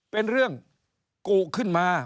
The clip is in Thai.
เป็นเรื่องโกขึ้นมา